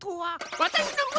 わたしのむ